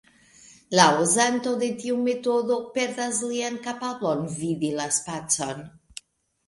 La uzanto de tiu metodo perdas lian kapablon vidi la spacon.